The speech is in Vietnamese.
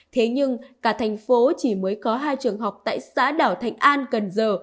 thế nhưng cả thành phố chỉ mới có hai trường học tại xã đảo thành an gần giờ